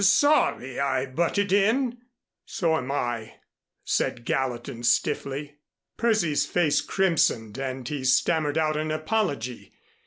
"Sorry I butted in." "So am I," said Gallatin, stiffly. Percy's face crimsoned, and he stammered out an apology.